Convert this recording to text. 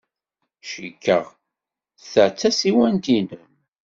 Cikkeɣ ta d tasiwant-nnem.